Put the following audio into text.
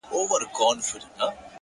وخت د ژوند نه تکرارېدونکې پانګه ده.